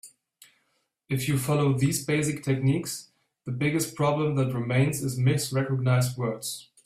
If you follow these basic techniques, the biggest problem that remains is misrecognized words.